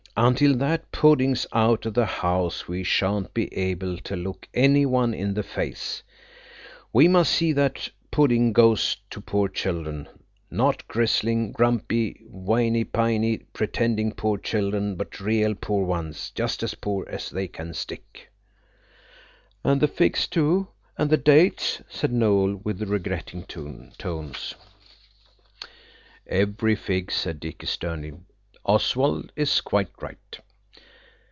Until that pudding's out of the house we shan't be able to look any one in the face. We must see that that pudding goes to poor children–not grisling, grumpy, whiney piney, pretending poor children–but real poor ones, just as poor as they can stick." "And the figs too–and the dates," said Noël, with regretting tones. "Every fig," said Dicky sternly. "Oswald is quite right."